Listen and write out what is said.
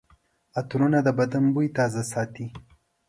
عطرونه د بدن بوی تازه ساتي.